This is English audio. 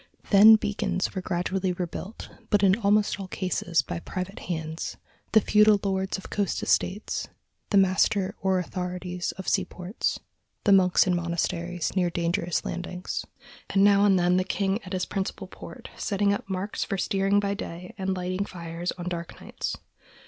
Then beacons were gradually rebuilt, but in almost all cases by private hands—the feudal lords of coast estates, the master or authorities of sea ports, the monks in monasteries near dangerous landings, and now and then the king at his principal port, setting up marks for steering by day and lighting fires on dark nights.